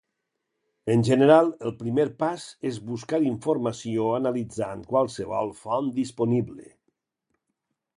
En general, el primer pas és buscar informació analitzant qualsevol font disponible.